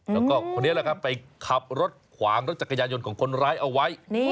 แล้วคนนี้ไปขับรถขวางรถจักรยานยนต์ของคนร้ายเอาไว้